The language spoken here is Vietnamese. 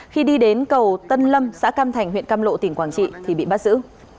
khi đi đến cầu tân lâm xã cam thành huyện cam lộ tỉnh quảng trị thì bị bắt giữ